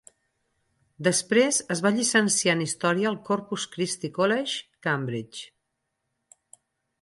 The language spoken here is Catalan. Després es va llicenciar en història al Corpus Christi College, Cambridge.